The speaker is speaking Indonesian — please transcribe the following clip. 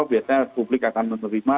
biasanya publik akan menerima